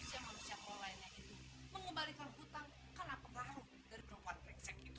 dan manusia kelolaiannya itu mengembalikan hutang karena pengaruh dari perempuan breksek itu